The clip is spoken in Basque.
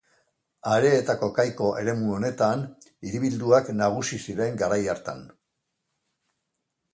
Areetako Kaiko eremu honetan, hiribilduak nagusi ziren garai hartan.